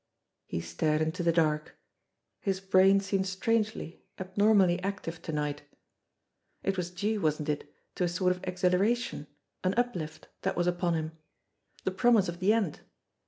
He stared into the dark. His brain seemed strangely, ab normally active to night. It was due, wasn't it, to a sort of exhilaration, an uplift, that was upon him? The promise of the end!